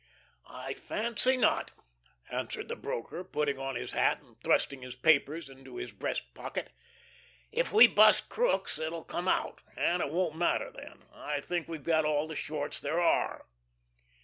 "I fancy not," answered the broker, putting on his hat and thrusting his papers into his breast pocket. "If we bust Crookes, it'll come out and it won't matter then. I think we've got all the shorts there are."